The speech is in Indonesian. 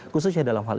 khususnya dalam hal ini